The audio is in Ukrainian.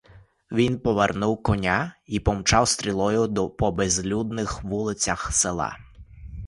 Він повернув коня й помчав стрілою по безлюдних вулицях села.